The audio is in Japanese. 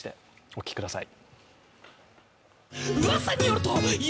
お聴きください。